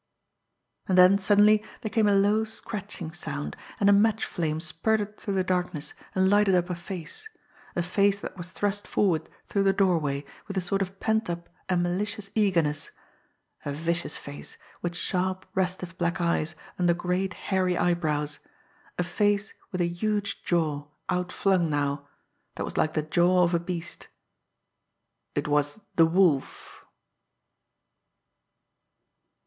And then, suddenly, there came a low, scratching sound, and a match flame spurted through the darkness, and lighted up a face a face that was thrust forward through the doorway with a sort of pent up and malicious eagerness; a vicious face, with sharp, restive black eyes under great, hairy eyebrows; a face with a huge jaw, outflung now, that was like the jaw of a beast. It was the Wolf!